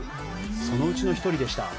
そのうちの１人でした。